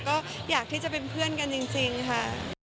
ก็อยากที่จะเป็นเพื่อนกันจริงค่ะ